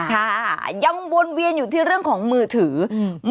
ค่ะยังวนเวียนอยู่ที่เรื่องของมือถืออืม